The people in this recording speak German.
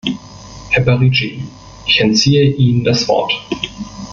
Herr Parigi, ich entziehe Ihnen das Wort.